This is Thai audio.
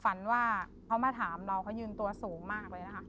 ฝันว่าเขามาถามเราเขายืนตัวสูงมากเลยนะคะ